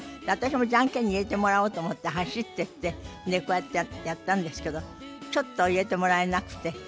私もジャンケンに入れてもらおうと思って走ってってこうやってやったんですけどちょっと入れてもらえなくて。